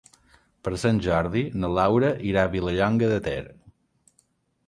Per Sant Jordi na Laura irà a Vilallonga de Ter.